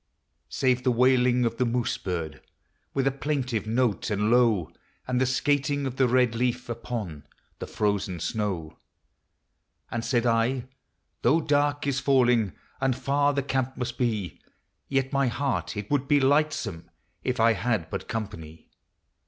Save the wailing of the moose bird With a plaintive note and low, And the skating of the red leaf Upon the frozen snow. And said I, " Though dark is falling, And far the camp must be, Yet my heart it would be lightsome If I had but company."